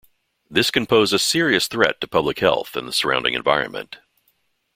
This can pose a serious threat to public health and the surrounding environment.